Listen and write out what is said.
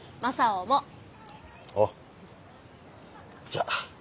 じゃあ。